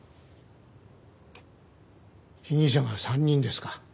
被疑者が３人ですか。